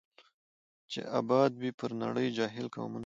چي آباد وي پر نړۍ جاهل قومونه